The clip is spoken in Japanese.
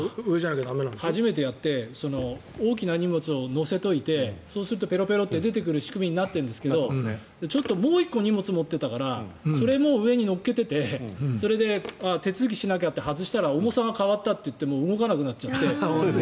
初めてやって大きな荷物を載せておいてそうすると、ペロペロッて出てくる仕組みになっているんですがもう１個荷物を持ってたからそれも上に乗っけててそれで手続きしなきゃって外したら重さが変わったって動かなくなっちゃって。